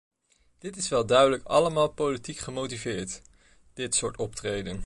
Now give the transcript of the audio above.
Dit is wel duidelijk allemaal politiek gemotiveerd, dit soort optreden.